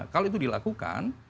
kalau itu dilakukan